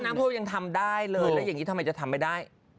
น้ำท่วมยังทำได้เลยแล้วอย่างนี้ทำไมจะทำไม่ได้